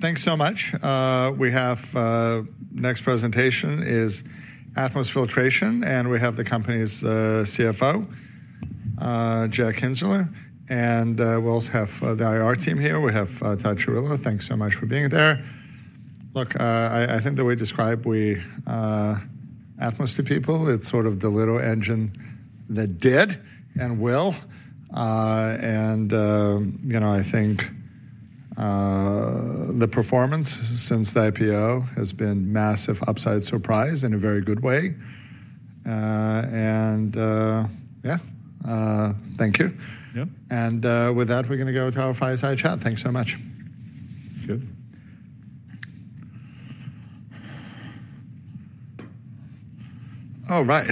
Thanks so much. We have the next presentation is Atmus Filtration, and we have the company's CFO, Jack Kienzler. We also have the IR team here. We have Todd Chirillo. Thanks so much for being there. Look, I think the way we describe Atmus to people, it's sort of the little engine that did and will. I think the performance since the IPO has been a massive upside surprise in a very good way. Thank you. With that, we're going to go to our fireside chat. Thanks so much. Good. All right.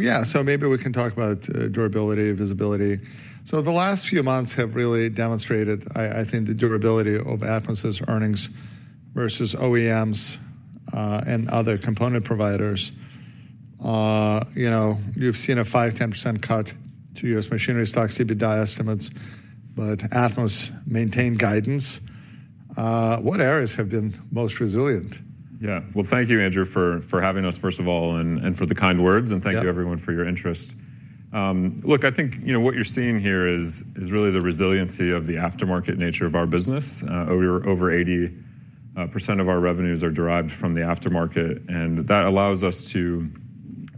Yeah, maybe we can talk about durability, visibility. The last few months have really demonstrated, I think, the durability of Atmus's earnings versus OEMs and other component providers. You've seen a 5%-10% cut to U.S. machinery stock EBITDA estimates, but Atmus maintained guidance. What areas have been most resilient? Yeah. Thank you, Andrew, for having us, first of all, and for the kind words. Thank you, everyone, for your interest. Look, I think what you're seeing here is really the resiliency of the aftermarket nature of our business. Over 80% of our revenues are derived from the aftermarket. That allows us to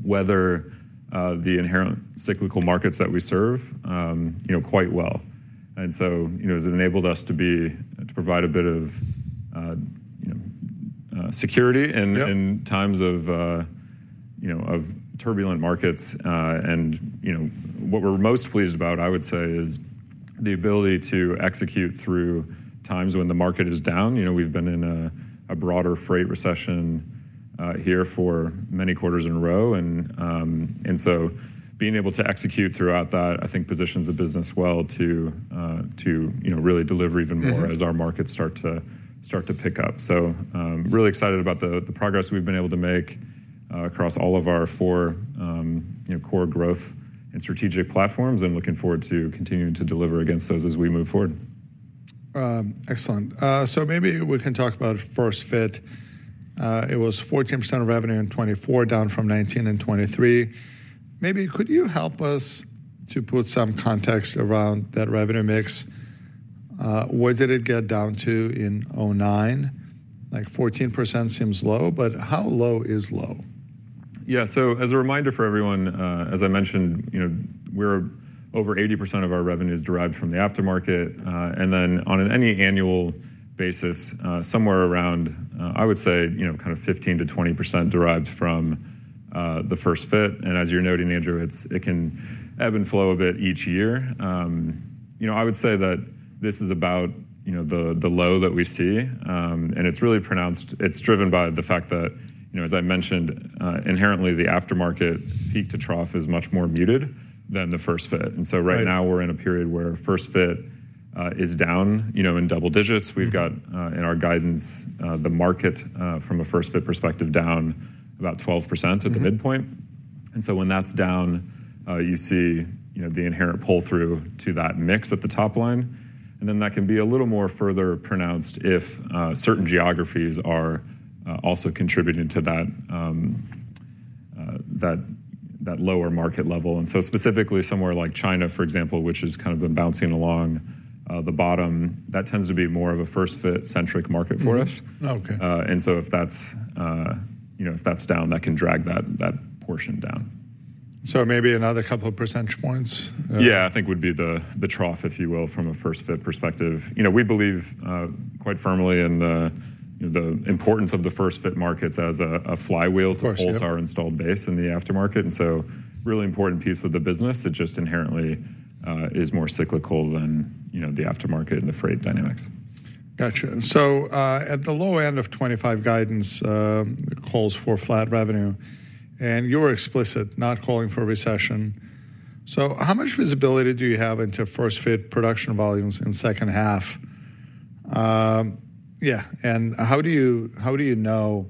weather the inherent cyclical markets that we serve quite well. It has enabled us to provide a bit of security in times of turbulent markets. What we're most pleased about, I would say, is the ability to execute through times when the market is down. We've been in a broader freight recession here for many quarters in a row. Being able to execute throughout that, I think, positions the business well to really deliver even more as our markets start to pick up. Really excited about the progress we've been able to make across all of our four core growth and strategic platforms and looking forward to continuing to deliver against those as we move forward. Excellent. Maybe we can talk about first fit. It was 14% of revenue in 2024, down from 19% in 2023. Maybe could you help us to put some context around that revenue mix? Was it get down to in 09%, like 14% seems low, but how low is low? Yeah. As a reminder for everyone, as I mentioned, over 80% of our revenue is derived from the aftermarket. Then on an annual basis, somewhere around, I would say, kind of 15%-20% derived from the first fit. As you're noting, Andrew, it can ebb and flow a bit each year. I would say that this is about the low that we see. It's really pronounced. It's driven by the fact that, as I mentioned, inherently, the aftermarket peak to trough is much more muted than the first fit. Right now, we're in a period where first fit is down in double digits. We've got, in our guidance, the market from a first fit perspective down about 12% at the midpoint. When that's down, you see the inherent pull-through to that mix at the top line. That can be a little more further pronounced if certain geographies are also contributing to that lower market level. Specifically, somewhere like China, for example, which has kind of been bouncing along the bottom, that tends to be more of a first fit-centric market for us. If that's down, that can drag that portion down. Maybe another couple of percentage points? Yeah, I think would be the trough, if you will, from a first fit perspective. We believe quite firmly in the importance of the first fit markets as a flywheel to pull our installed base in the aftermarket. It is a really important piece of the business. It just inherently is more cyclical than the aftermarket and the freight dynamics. Gotcha. At the low end of 2025 guidance, it calls for flat revenue. You were explicit not calling for a recession. How much visibility do you have into first fit production volumes in the second half? Yeah. How do you know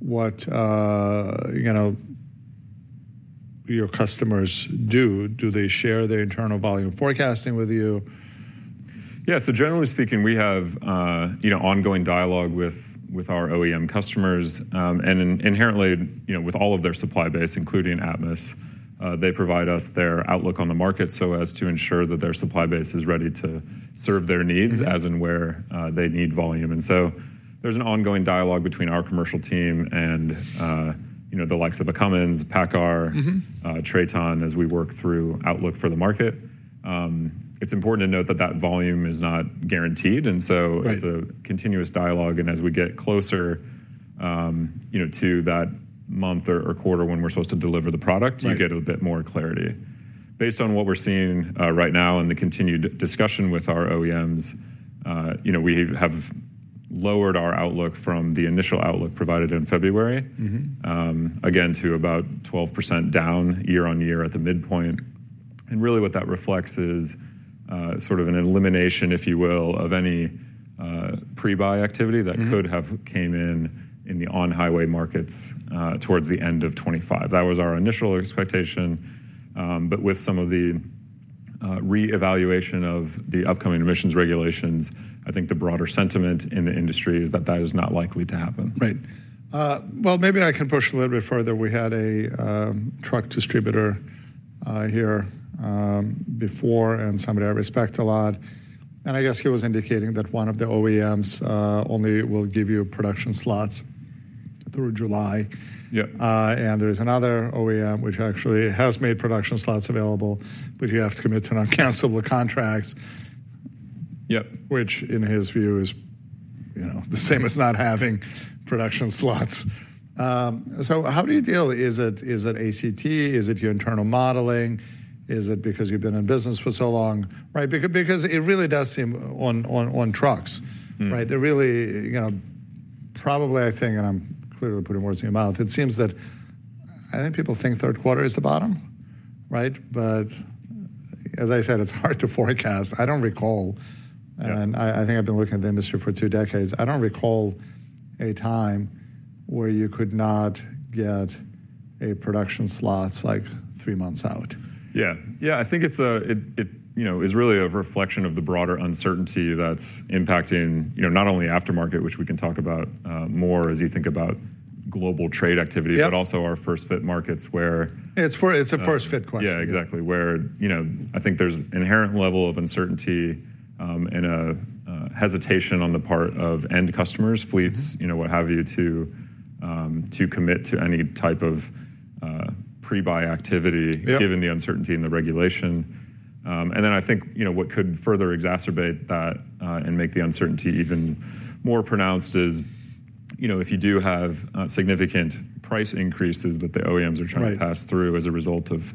what your customers do? Do they share their internal volume forecasting with you? Yeah. Generally speaking, we have ongoing dialogue with our OEM customers. Inherently, with all of their supply base, including Atmus, they provide us their outlook on the market so as to ensure that their supply base is ready to serve their needs as and where they need volume. There is an ongoing dialogue between our commercial team and the likes of Cummins, PACCAR, Traton as we work through outlook for the market. It is important to note that that volume is not guaranteed. It is a continuous dialogue. As we get closer to that month or quarter when we are supposed to deliver the product, you get a bit more clarity. Based on what we're seeing right now and the continued discussion with our OEMs, we have lowered our outlook from the initial outlook provided in February, again, to about 12% down year-on-year at the midpoint. Really what that reflects is sort of an elimination, if you will, of any pre-buy activity that could have come in in the on-highway markets towards the end of 2025. That was our initial expectation. With some of the reevaluation of the upcoming emissions regulations, I think the broader sentiment in the industry is that that is not likely to happen. Right. Maybe I can push a little bit further. We had a truck distributor here before and somebody I respect a lot. I guess he was indicating that one of the OEMs only will give you production slots through July. There is another OEM which actually has made production slots available, but you have to commit to non-cancelable contracts, which in his view is the same as not having production slots. How do you deal? Is it ACT? Is it your internal modeling? Is it because you've been in business for so long? Right. It really does seem on trucks, right? Probably, I think, and I'm clearly putting words in your mouth, it seems that I think people think third quarter is the bottom, right? As I said, it's hard to forecast. I don't recall. I think I've been looking at the industry for two decades. I don't recall a time where you could not get production slots like three months out. Yeah. Yeah. I think it's really a reflection of the broader uncertainty that's impacting not only aftermarket, which we can talk about more as you think about global trade activity, but also our first fit markets where. It's a first fit question. Yeah, exactly. Where I think there's an inherent level of uncertainty and a hesitation on the part of end customers, fleets, what have you, to commit to any type of pre-buy activity given the uncertainty in the regulation. I think what could further exacerbate that and make the uncertainty even more pronounced is if you do have significant price increases that the OEMs are trying to pass through as a result of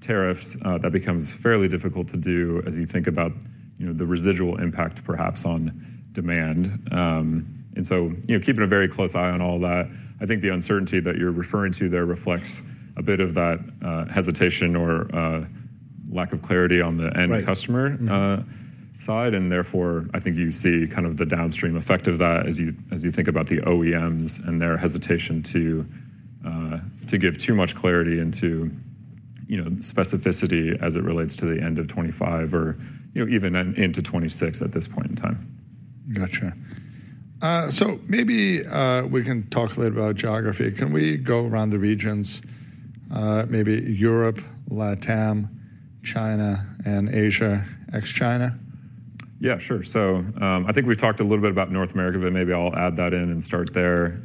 tariffs, that becomes fairly difficult to do as you think about the residual impact perhaps on demand. Keeping a very close eye on all that, I think the uncertainty that you're referring to there reflects a bit of that hesitation or lack of clarity on the end customer side. Therefore, I think you see kind of the downstream effect of that as you think about the OEMs and their hesitation to give too much clarity into specificity as it relates to the end of 2025 or even into 2026 at this point in time. Gotcha. So maybe we can talk a little bit about geography. Can we go around the regions? Maybe Europe, Latin America, China, and Asia ex-China? Yeah, sure. I think we've talked a little bit about North America, but maybe I'll add that in and start there.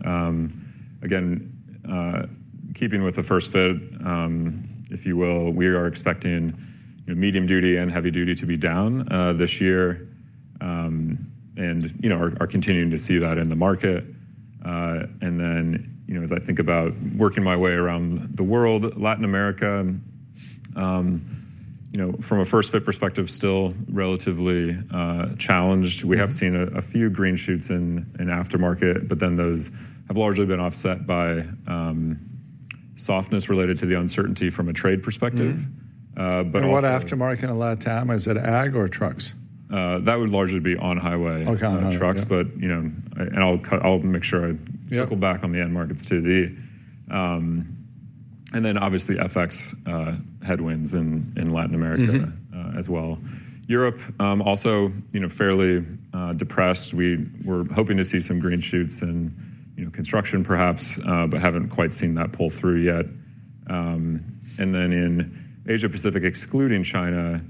Again, keeping with the first fit, if you will, we are expecting medium duty and heavy duty to be down this year and are continuing to see that in the market. As I think about working my way around the world, Latin America, from a first fit perspective, still relatively challenged. We have seen a few green shoots in aftermarket, but those have largely been offset by softness related to the uncertainty from a trade perspective. What aftermarket in LatAm? Is it ag or trucks? That would largely be on-highway trucks. I'll make sure I circle back on the end markets too. Obviously, FX headwinds in Latin America as well. Europe also fairly depressed. We were hoping to see some green shoots in construction perhaps, but haven't quite seen that pull through yet. In Asia-Pacific, excluding China,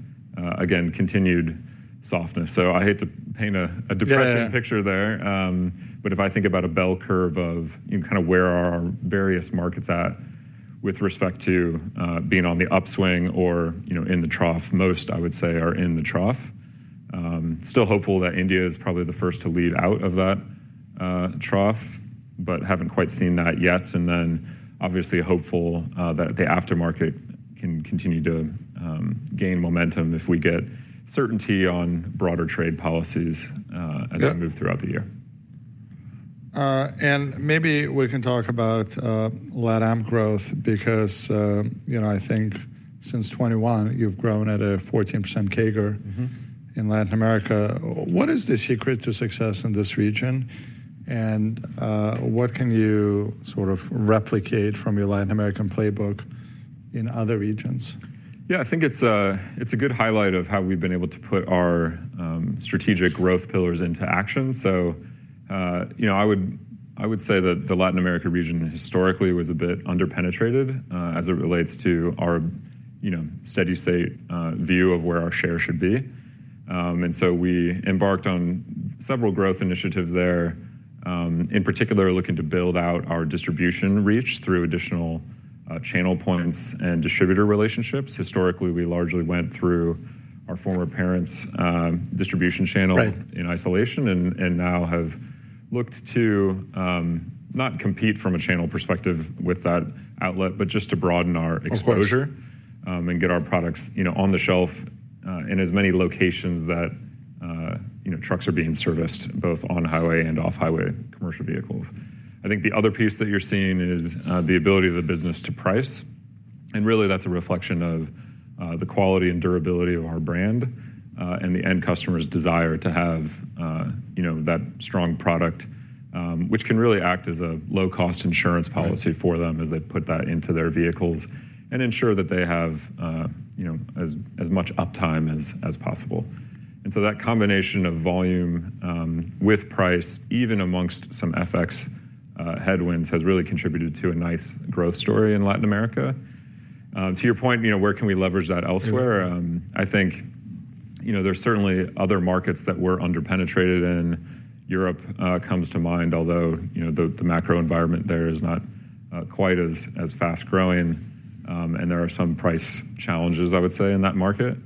again, continued softness. I hate to paint a depressing picture there, but if I think about a bell curve of kind of where are our various markets at with respect to being on the upswing or in the trough, most I would say are in the trough. Still hopeful that India is probably the first to lead out of that trough, but haven't quite seen that yet. Obviously hopeful that the aftermarket can continue to gain momentum if we get certainty on broader trade policies as we move throughout the year. Maybe we can talk about LatAm growth because I think since 2021, you've grown at a 14% CAGR in Latin America. What is the secret to success in this region? What can you sort of replicate from your Latin American playbook in other regions? Yeah, I think it's a good highlight of how we've been able to put our strategic growth pillars into action. I would say that the Latin America region historically was a bit underpenetrated as it relates to our steady-state view of where our share should be. We embarked on several growth initiatives there, in particular looking to build out our distribution reach through additional channel points and distributor relationships. Historically, we largely went through our former parent's distribution channel in isolation and now have looked to not compete from a channel perspective with that outlet, but just to broaden our exposure and get our products on the shelf in as many locations that trucks are being serviced, both on-highway and off-highway commercial vehicles. I think the other piece that you're seeing is the ability of the business to price. That is a reflection of the quality and durability of our brand and the end customer's desire to have that strong product, which can really act as a low-cost insurance policy for them as they put that into their vehicles and ensure that they have as much uptime as possible. That combination of volume with price, even amongst some FX headwinds, has really contributed to a nice growth story in Latin America. To your point, where can we leverage that elsewhere? I think there are certainly other markets that we are underpenetrated in. Europe comes to mind, although the macro environment there is not quite as fast-growing. There are some price challenges, I would say, in that market.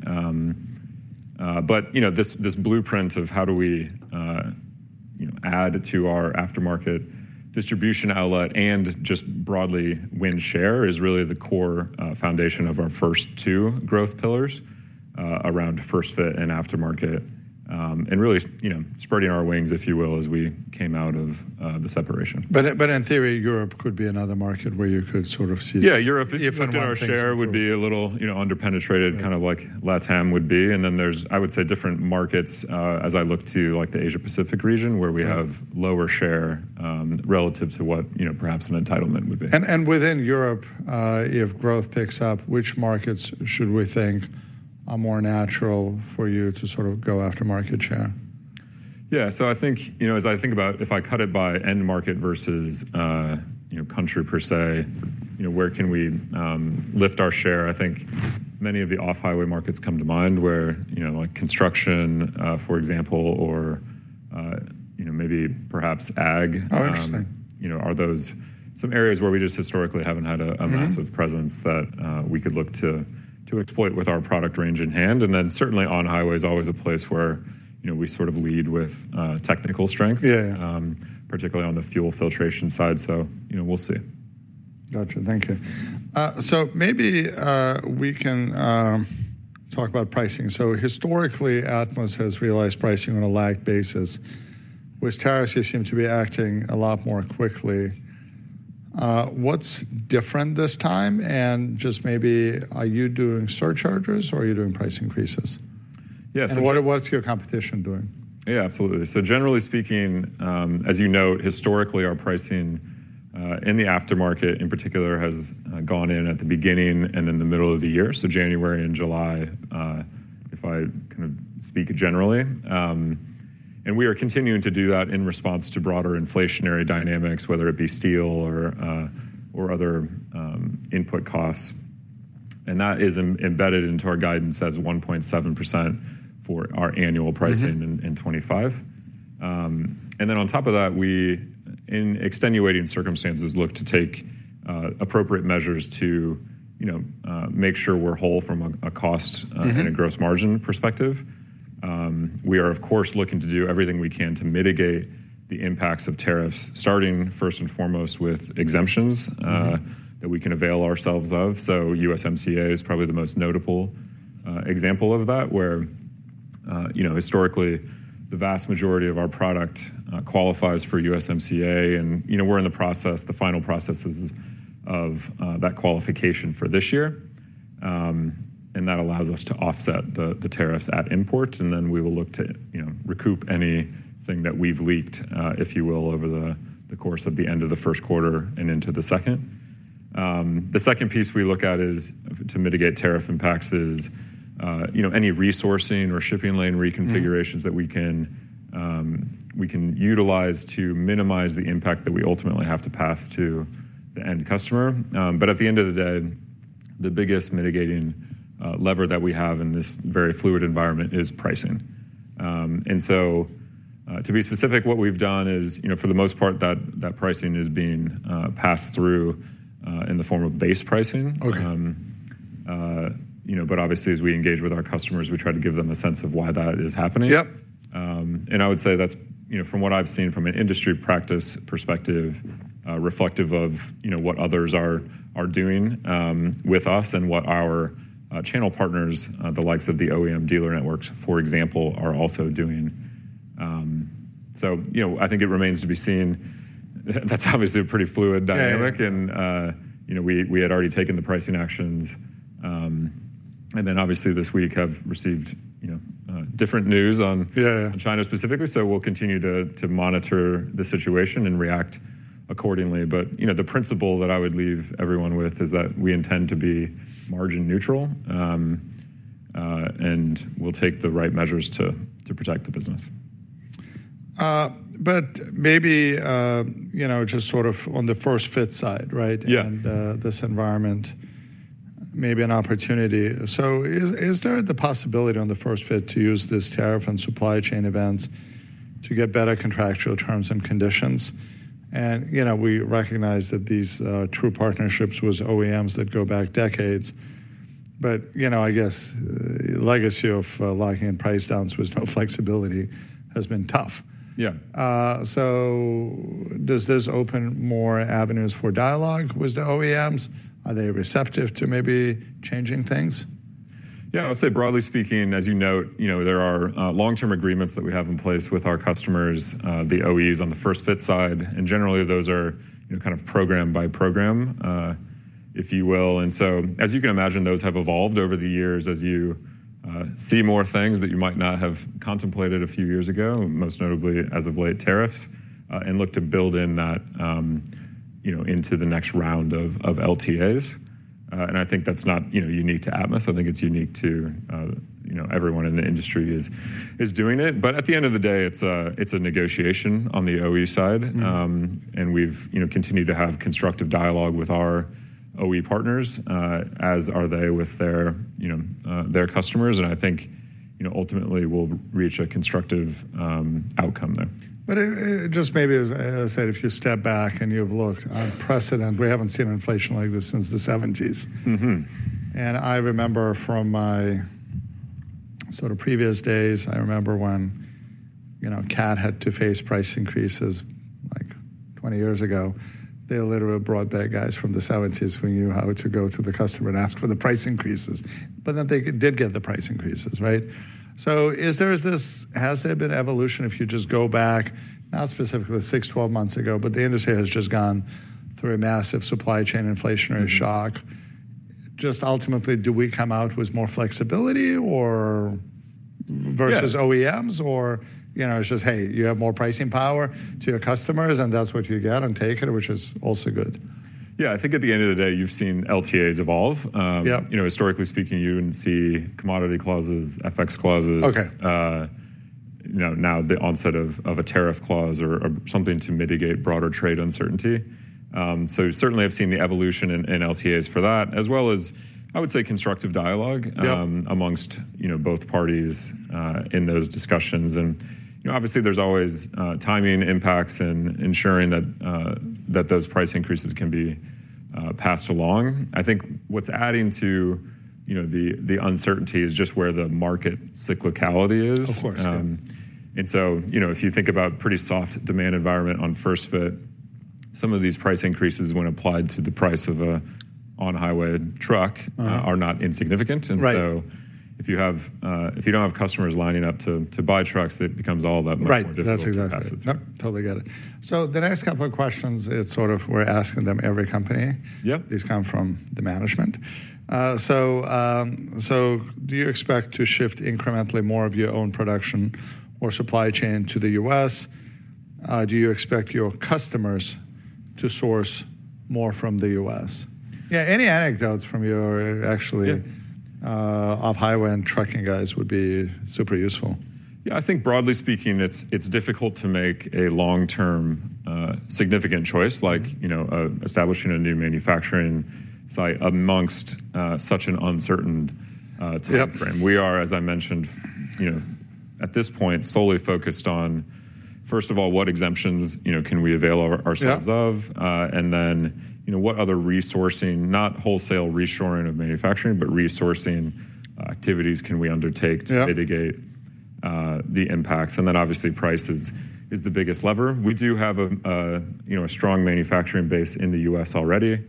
This blueprint of how do we add to our aftermarket distribution outlet and just broadly win share is really the core foundation of our first two growth pillars around first fit and aftermarket and really spreading our wings, if you will, as we came out of the separation. In theory, Europe could be another market where you could sort of see. Yeah, Europe if our share would be a little underpenetrated, kind of like LatAm would be. And then there's, I would say, different markets as I look to like the Asia-Pacific region where we have lower share relative to what perhaps an entitlement would be. Within Europe, if growth picks up, which markets should we think are more natural for you to sort of go after market share? Yeah. I think as I think about if I cut it by end market versus country per se, where can we lift our share? I think many of the off-highway markets come to mind where construction, for example, or maybe perhaps ag are those some areas where we just historically have not had a massive presence that we could look to exploit with our product range in hand. Certainly on-highway is always a place where we sort of lead with technical strengths, particularly on the fuel filtration side. We will see. Gotcha. Thank you. Maybe we can talk about pricing. Historically, Atmus has realized pricing on a lagged basis, which tariffs seem to be acting a lot more quickly. What's different this time? Just maybe, are you doing surcharges or are you doing price increases? Yes. What's your competition doing? Yeah, absolutely. Generally speaking, as you note, historically, our pricing in the aftermarket in particular has gone in at the beginning and in the middle of the year, so January and July, if I kind of speak generally. We are continuing to do that in response to broader inflationary dynamics, whether it be steel or other input costs. That is embedded into our guidance as 1.7% for our annual pricing in 2025. On top of that, we in extenuating circumstances look to take appropriate measures to make sure we're whole from a cost and a gross margin perspective. We are, of course, looking to do everything we can to mitigate the impacts of tariffs, starting first and foremost with exemptions that we can avail ourselves of. USMCA is probably the most notable example of that, where historically, the vast majority of our product qualifies for USMCA. We are in the process, the final processes of that qualification for this year. That allows us to offset the tariffs at imports. We will look to recoup anything that we have leaked, if you will, over the course of the end of the first quarter and into the second. The second piece we look at to mitigate tariff impacts is any resourcing or shipping lane reconfigurations that we can utilize to minimize the impact that we ultimately have to pass to the end customer. At the end of the day, the biggest mitigating lever that we have in this very fluid environment is pricing. To be specific, what we've done is for the most part, that pricing is being passed through in the form of base pricing. Obviously, as we engage with our customers, we try to give them a sense of why that is happening. I would say that's from what I've seen from an industry practice perspective, reflective of what others are doing with us and what our channel partners, the likes of the OEM dealer networks, for example, are also doing. I think it remains to be seen. That's obviously a pretty fluid dynamic. We had already taken the pricing actions. Obviously this week have received different news on China specifically. We'll continue to monitor the situation and react accordingly. The principle that I would leave everyone with is that we intend to be margin neutral and we'll take the right measures to protect the business. Maybe just sort of on the first fit side, right? In this environment, maybe an opportunity. Is there the possibility on the first fit to use this tariff and supply chain events to get better contractual terms and conditions? We recognize that these true partnerships with OEMs go back decades, but I guess legacy of locking in price downs with no flexibility has been tough. Does this open more avenues for dialogue with the OEMs? Are they receptive to maybe changing things? Yeah, I would say broadly speaking, as you note, there are long-term agreements that we have in place with our customers, the OEs on the first fit side. Generally, those are kind of program by program, if you will. As you can imagine, those have evolved over the years as you see more things that you might not have contemplated a few years ago, most notably as of late tariffs and look to build in that into the next round of LTAs. I think that's not unique to Atmus. I think it's unique to everyone in the industry is doing it. At the end of the day, it's a negotiation on the OE side. We've continued to have constructive dialogue with our OE partners, as are they with their customers. I think ultimately we'll reach a constructive outcome there. If you step back and you've looked, unprecedented, we haven't seen inflation like this since the 1970s. I remember from my sort of previous days, I remember when CAT had to face price increases like 20 years ago, they literally brought back guys from the 1970s who knew how to go to the customer and ask for the price increases, but then they did get the price increases, right? Has there been evolution if you just go back, not specifically six, twelve months ago, but the industry has just gone through a massive supply chain inflationary shock? Ultimately, do we come out with more flexibility versus OEMs or it's just, hey, you have more pricing power to your customers and that's what you get and take it, which is also good? Yeah, I think at the end of the day, you've seen LTAs evolve. Historically speaking, you wouldn't see commodity clauses, FX clauses, now the onset of a tariff clause or something to mitigate broader trade uncertainty. Certainly I've seen the evolution in LTAs for that, as well as I would say constructive dialogue amongst both parties in those discussions. Obviously, there's always timing impacts and ensuring that those price increases can be passed along. I think what's adding to the uncertainty is just where the market cyclicality is. If you think about a pretty soft demand environment on first fit, some of these price increases when applied to the price of an on-highway truck are not insignificant. If you don't have customers lining up to buy trucks, it becomes all that much more difficult to pass it through. Right. That's exactly it. Totally get it. The next couple of questions, it's sort of we're asking them every company. These come from the management. Do you expect to shift incrementally more of your own production or supply chain to the U.S.? Do you expect your customers to source more from the U.S.? Yeah, any anecdotes from your actually off-highway and trucking guys would be super useful. Yeah, I think broadly speaking, it's difficult to make a long-term significant choice, like establishing a new manufacturing site amongst such an uncertain time frame. We are, as I mentioned, at this point, solely focused on, first of all, what exemptions can we avail ourselves of? And then what other resourcing, not wholesale reshoring of manufacturing, but resourcing activities can we undertake to mitigate the impacts? And then obviously, price is the biggest lever. We do have a strong manufacturing base in the U.S. already,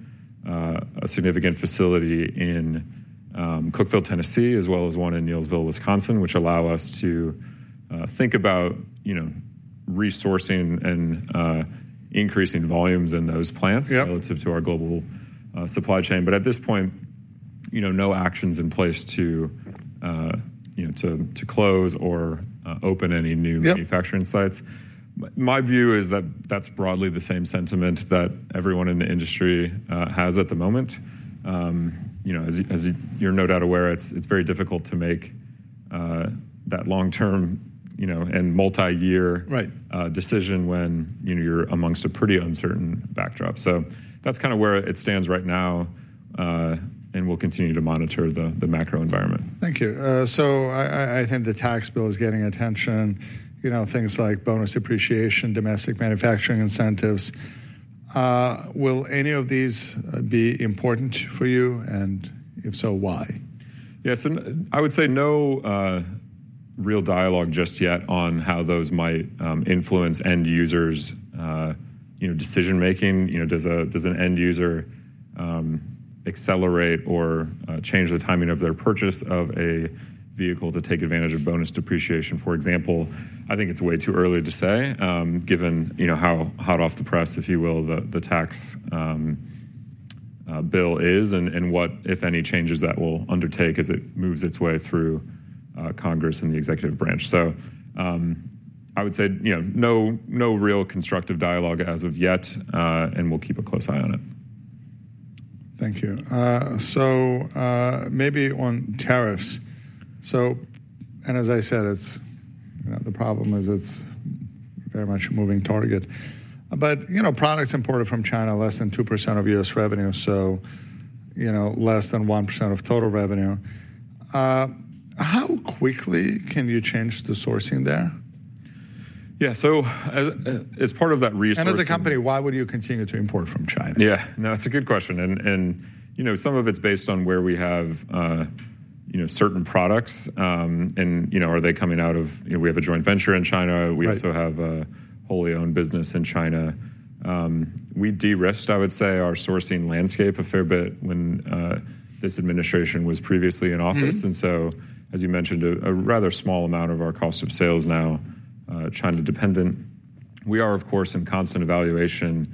a significant facility in Cookeville, Tennessee, as well as one in Neillsville, Wisconsin, which allow us to think about resourcing and increasing volumes in those plants relative to our global supply chain. But at this point, no actions in place to close or open any new manufacturing sites. My view is that that's broadly the same sentiment that everyone in the industry has at the moment. As you're no doubt aware, it's very difficult to make that long-term and multi-year decision when you're amongst a pretty uncertain backdrop. That is kind of where it stands right now. We will continue to monitor the macro environment. Thank you. I think the tax bill is getting attention. Things like bonus depreciation, domestic manufacturing incentives. Will any of these be important for you? If so, why? Yeah, so I would say no real dialogue just yet on how those might influence end users' decision-making. Does an end user accelerate or change the timing of their purchase of a vehicle to take advantage of bonus depreciation? For example, I think it's way too early to say, given how hot off the press, if you will, the tax bill is and what, if any, changes that will undertake as it moves its way through Congress and the executive branch. I would say no real constructive dialogue as of yet, and we'll keep a close eye on it. Thank you. Maybe on tariffs. As I said, the problem is it's very much a moving target. Products imported from China, less than 2% of U.S. revenue, so less than 1% of total revenue. How quickly can you change the sourcing there? Yeah, so as part of that resource. As a company, why would you continue to import from China? Yeah, no, it's a good question. Some of it's based on where we have certain products and are they coming out of, we have a joint venture in China. We also have a wholly owned business in China. We de-risked, I would say, our sourcing landscape a fair bit when this administration was previously in office. As you mentioned, a rather small amount of our cost of sales now, China dependent. We are, of course, in constant evaluation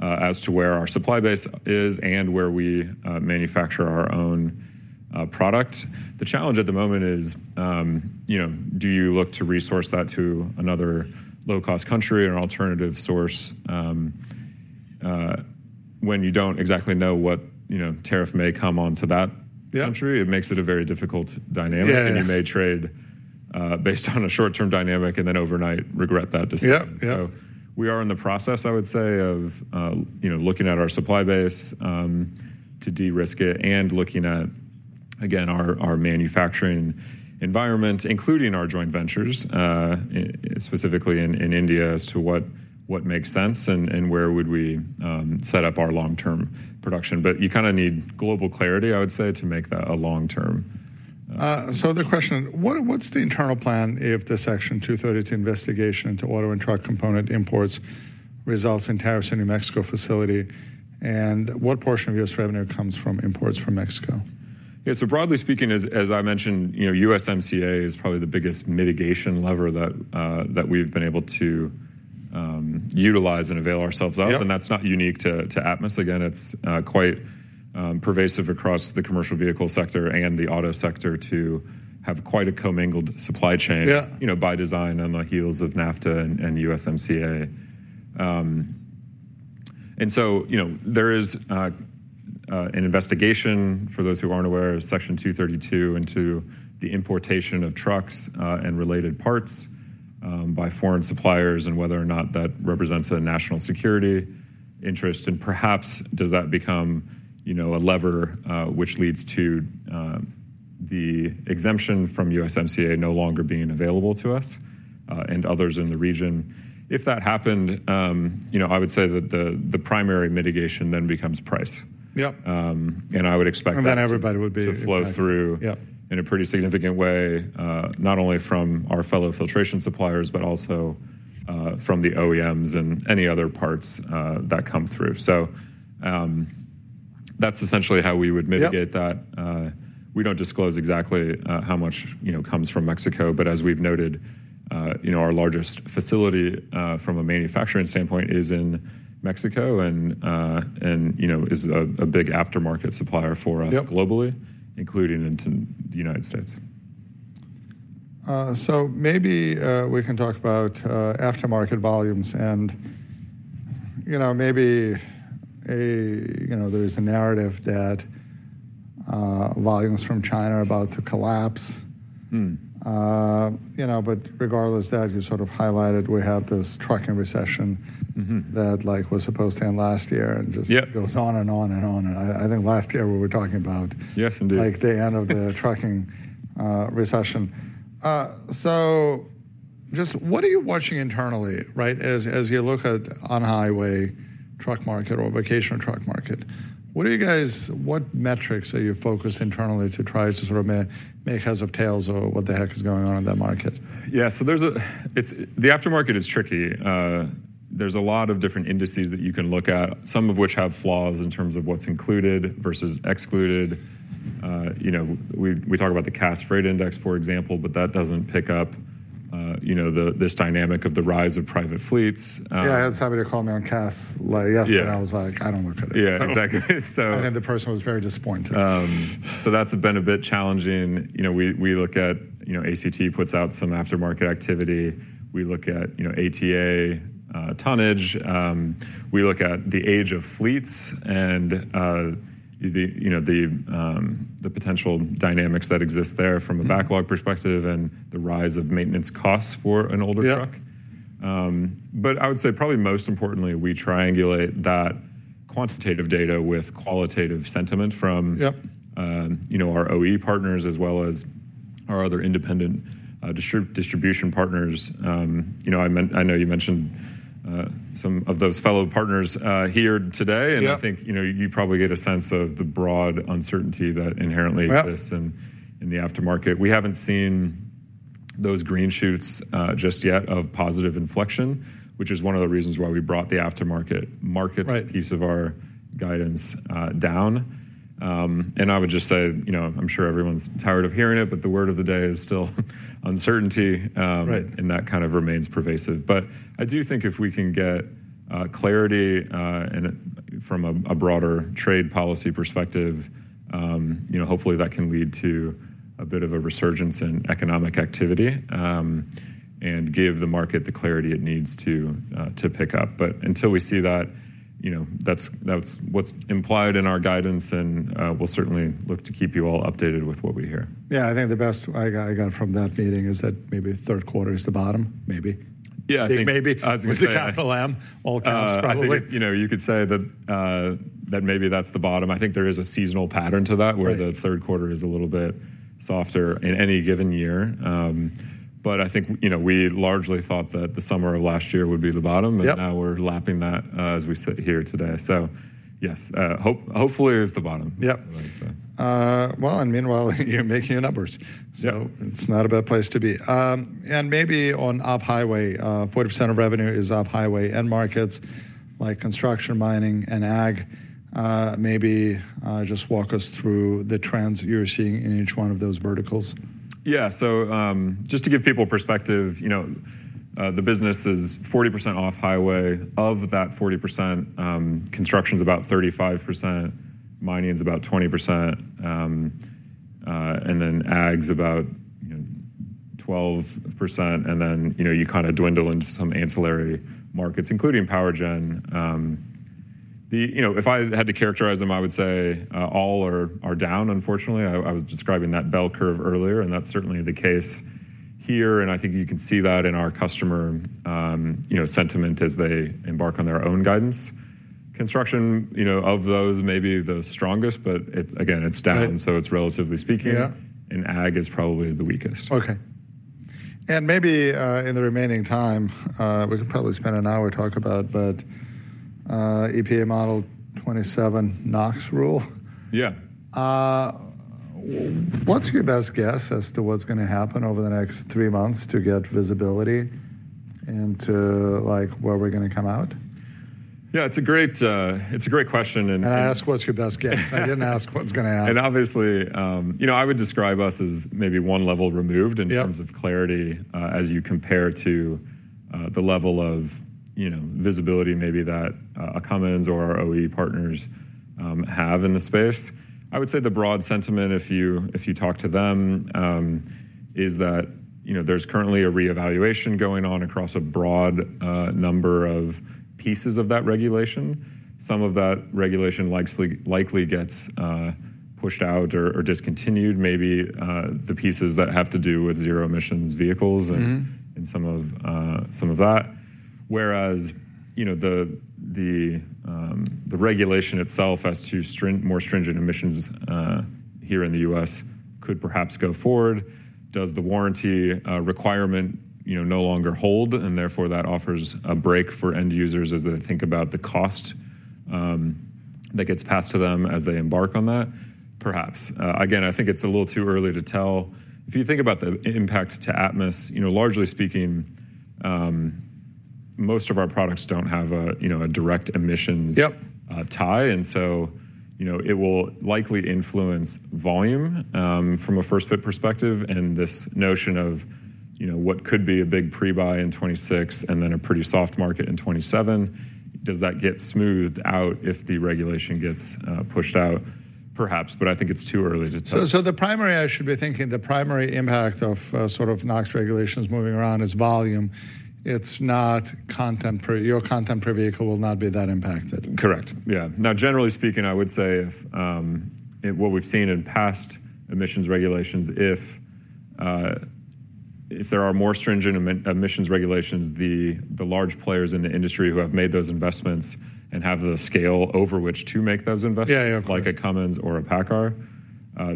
as to where our supply base is and where we manufacture our own product. The challenge at the moment is, do you look to resource that to another low-cost country or alternative source when you do not exactly know what tariff may come onto that country? It makes it a very difficult dynamic. You may trade based on a short-term dynamic and then overnight regret that decision. We are in the process, I would say, of looking at our supply base to de-risk it and looking at, again, our manufacturing environment, including our joint ventures, specifically in India as to what makes sense and where would we set up our long-term production. You kind of need global clarity, I would say, to make that a long-term. The question, what's the internal plan if the Section 232 investigation into auto and truck component imports results in tariffs in Mexico facility? And what portion of U.S. revenue comes from imports from Mexico? Yeah, so broadly speaking, as I mentioned, USMCA is probably the biggest mitigation lever that we've been able to utilize and avail ourselves of. That's not unique to Atmus. Again, it's quite pervasive across the commercial vehicle sector and the auto sector to have quite a commingled supply chain by design on the heels of NAFTA and USMCA. There is an investigation, for those who aren't aware, of Section 232 into the importation of trucks and related parts by foreign suppliers and whether or not that represents a national security interest. Perhaps does that become a lever which leads to the exemption from USMCA no longer being available to us and others in the region. If that happened, I would say that the primary mitigation then becomes price. I would expect that to flow through in a pretty significant way, not only from our fellow filtration suppliers, but also from the OEMs and any other parts that come through. That is essentially how we would mitigate that. We do not disclose exactly how much comes from Mexico, but as we have noted, our largest facility from a manufacturing standpoint is in Mexico and is a big aftermarket supplier for us globally, including into the United States. Maybe we can talk about aftermarket volumes and maybe there is a narrative that volumes from China are about to collapse. Regardless, you sort of highlighted, we had this trucking recession that was supposed to end last year and just goes on and on and on. I think last year we were talking about the end of the trucking recession. Just what are you watching internally, right? As you look at the on-highway truck market or vocational truck market, what metrics are you focused internally to try to sort of make heads or tails of what the heck is going on in that market? Yeah, so the aftermarket is tricky. There's a lot of different indices that you can look at, some of which have flaws in terms of what's included versus excluded. We talk about the CAS fright index, for example, but that doesn't pick up this dynamic of the rise of private fleets. Yeah, I had somebody call me on CAS, like, yesterday, and I was like, I don't look at it. Yeah, exactly. I think the person was very disappointed. That's been a bit challenging. We look at ACT puts out some aftermarket activity. We look at ATA tonnage. We look at the age of fleets and the potential dynamics that exist there from a backlog perspective and the rise of maintenance costs for an older truck. I would say probably most importantly, we triangulate that quantitative data with qualitative sentiment from our OE partners as well as our other independent distribution partners. I know you mentioned some of those fellow partners here today. I think you probably get a sense of the broad uncertainty that inherently exists in the aftermarket. We haven't seen those green shoots just yet of positive inflection, which is one of the reasons why we brought the aftermarket market piece of our guidance down. I would just say, I'm sure everyone's tired of hearing it, but the word of the day is still uncertainty and that kind of remains pervasive. I do think if we can get clarity from a broader trade policy perspective, hopefully that can lead to a bit of a resurgence in economic activity and give the market the clarity it needs to pick up. Until we see that, that's what's implied in our guidance. We'll certainly look to keep you all updated with what we hear. Yeah, I think the best I got from that meeting is that maybe third quarter is the bottom, maybe. Yeah, I think. I think maybe with the capital M, all caps probably. You could say that maybe that's the bottom. I think there is a seasonal pattern to that where the third quarter is a little bit softer in any given year. I think we largely thought that the summer of last year would be the bottom. Now we're lapping that as we sit here today. Yes, hopefully it is the bottom. Yep. Meanwhile, you're making your numbers. It's not a bad place to be. Maybe on off-highway, 40% of revenue is off-highway and markets like construction, mining, and ag. Maybe just walk us through the trends you're seeing in each one of those verticals. Yeah, so just to give people perspective, the business is 40% off-highway. Of that 40%, construction is about 35%. Mining is about 20%. And then ag is about 12%. And then you kind of dwindle into some ancillary markets, including power gen. If I had to characterize them, I would say all are down, unfortunately. I was describing that bell curve earlier. And that is certainly the case here. I think you can see that in our customer sentiment as they embark on their own guidance. Construction, of those, maybe the strongest, but again, it is down. It is relatively speaking. And ag is probably the weakest. Okay. Maybe in the remaining time, we could probably spend an hour talking about, but EPA Model Year 2027 NOx rule. Yeah. What's your best guess as to what's going to happen over the next three months to get visibility into where we're going to come out? Yeah, it's a great question. I asked what's your best guess. I didn't ask what's going to happen. Obviously, I would describe us as maybe one level removed in terms of clarity as you compare to the level of visibility maybe that our OE partners have in the space. I would say the broad sentiment if you talk to them is that there is currently a reevaluation going on across a broad number of pieces of that regulation. Some of that regulation likely gets pushed out or discontinued, maybe the pieces that have to do with zero emissions vehicles and some of that. Whereas the regulation itself as to more stringent emissions here in the U.S. could perhaps go forward. Does the warranty requirement no longer hold? And therefore, that offers a break for end users as they think about the cost that gets passed to them as they embark on that? Perhaps. Again, I think it is a little too early to tell. If you think about the impact to Atmus, largely speaking, most of our products do not have a direct emissions tie. It will likely influence volume from a first-fit perspective and this notion of what could be a big pre-buy in 2026 and then a pretty soft market in 2027. Does that get smoothed out if the regulation gets pushed out? Perhaps, but I think it is too early to tell. The primary, I should be thinking the primary impact of sort of NOx regulations moving around is volume. It's not content per your content per vehicle will not be that impacted. Correct. Yeah. Now, generally speaking, I would say what we've seen in past emissions regulations, if there are more stringent emissions regulations, the large players in the industry who have made those investments and have the scale over which to make those investments, like a Cummins or a PACCAR,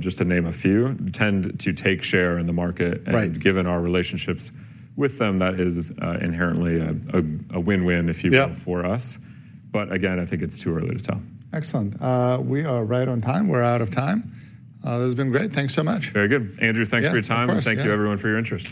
just to name a few, tend to take share in the market. Given our relationships with them, that is inherently a win-win if you will for us. Again, I think it's too early to tell. Excellent. We are right on time. We're out of time. This has been great. Thanks so much. Very good. Andrew, thanks for your time. Thank you, everyone, for your interest.